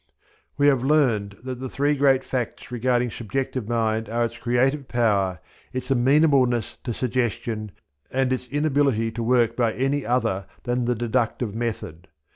We have learnt that the three great facts regarding subjective mind are its creative power, its amenableness to suggestion, and its inability to work by any other than the deductive method.